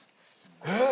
えっ！